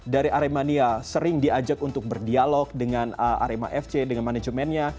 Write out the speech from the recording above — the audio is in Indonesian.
dari aremania sering diajak untuk berdialog dengan arema fc dengan manajemennya